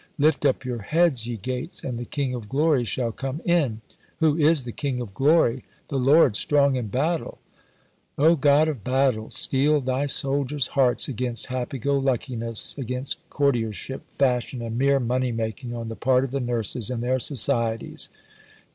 "Lift up your heads, ye gates, and the King of Glory shall come in. Who is the King of Glory? The Lord strong in battle." O God of Battles, steel thy soldiers' hearts against happy go luckiness, against courtiership, fashion, and mere money making on the part of the Nurses and their Societies!